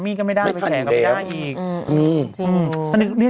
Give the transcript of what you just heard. ให้บันไดมสูงเลยอ่ะ